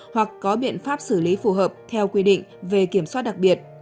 hoặc có biện pháp xử lý phù hợp theo quy định về kiểm soát đặc biệt